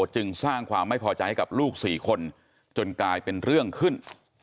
จึงสร้างความไม่พอใจให้กับลูก๔คนจนกลายเป็นเรื่องขึ้น